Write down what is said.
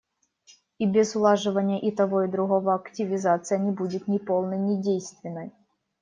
И без улаживания и того и другого активизация не будет ни полной, ни действенной.